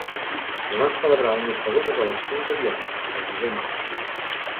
Es van celebrar unes segones eleccions aviat, al desembre.